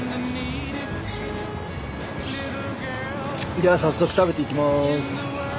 じゃあ早速食べていきます。